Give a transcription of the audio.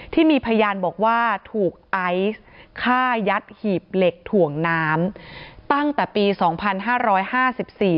ที่มีพยานบอกว่าถูกไอซ์ฆ่ายัดหีบเหล็กถ่วงน้ำตั้งแต่ปีสองพันห้าร้อยห้าสิบสี่